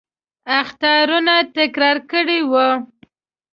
اخطارونه تکرار کړي وو.